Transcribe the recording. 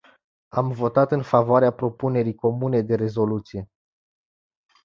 Am votat în favoarea propunerii comune de rezoluție.